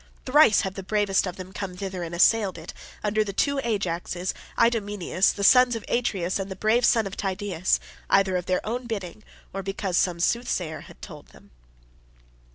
Thrice have the bravest of them come thither and assailed it, under the two Ajaxes, Idomeneus, the sons of Atreus, and the brave son of Tydeus, either of their own bidding, or because some soothsayer had told them."